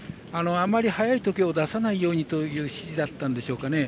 あまり早い時計を出さないようにという指示だったんでしょうかね。